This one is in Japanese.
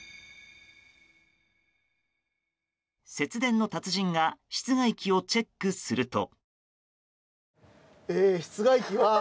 節電の達人が室外機をチェックすると。